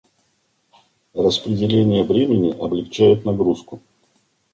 Распределение бремени облегчает нагрузку.